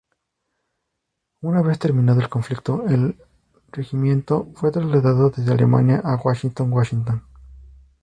Una vez terminado el conflicto el regimiento fue trasladado desde Alemania a Washington, Washington.